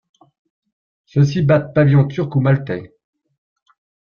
Ceux-ci battent pavillon turc ou maltais.